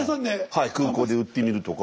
はい空港で売ってみるとか。